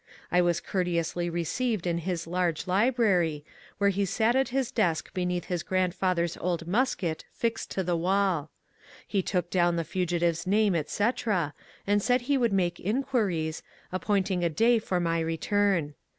I was courteously received in his large library, where he sat at his desk beneath his grand father's old musket fixed to the wall. He took down the fugi tive's name, etc., and said he would make inquiries, appointing a day for my return.